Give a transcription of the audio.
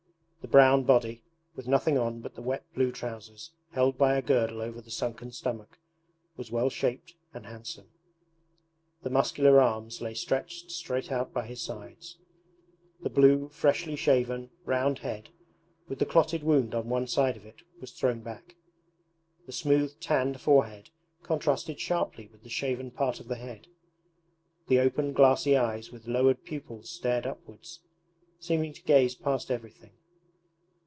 The brown body, with nothing on but the wet blue trousers held by a girdle over the sunken stomach, was well shaped and handsome. The muscular arms lay stretched straight out by his sides; the blue, freshly shaven, round head with the clotted wound on one side of it was thrown back. The smooth tanned forehead contrasted sharply with the shaven part of the head. The open glassy eyes with lowered pupils stared upwards, seeming to gaze past everything.